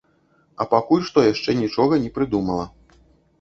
А пакуль што яшчэ нічога не прыдумала.